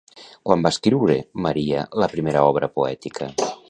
Quan va escriure Maria la primera obra poètica?